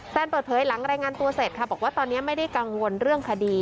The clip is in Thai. เปิดเผยหลังรายงานตัวเสร็จค่ะบอกว่าตอนนี้ไม่ได้กังวลเรื่องคดี